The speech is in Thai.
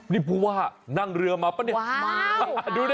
นี่ผู้ว่านั่งเรือมาป่ะเนี่ย